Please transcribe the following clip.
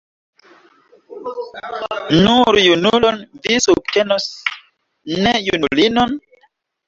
Nur junulon vi subtenos, ne junulinon?